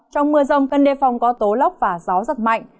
trong mưa rông cần đề phòng có tố lốc và gió giật mạnh